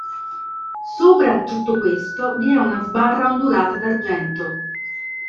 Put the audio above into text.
Sopra a tutto questo vi è una sbarra ondulata d'argento.